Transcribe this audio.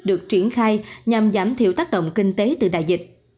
được triển khai nhằm giảm thiểu tác động kinh tế từ đại dịch